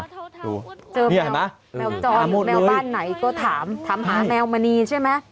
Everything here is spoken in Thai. เจอแมวแมวจรแมวบ้านไหนก็ถามถามหาแมวมณีใช่ไหม